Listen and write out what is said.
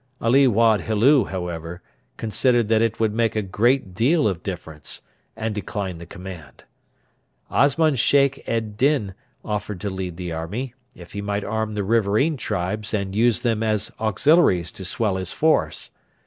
Ali Wad Helu, however, considered that it would make a great deal of difference, and declined the command. Osman Sheikh ed Din offered to lead the army, if he might arm the riverain tribes and use them as auxiliaries to swell his force.